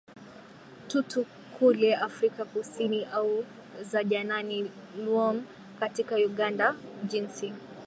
Tutu kule Afrika Kusini au za Janani Luwum katika Uganda jinsi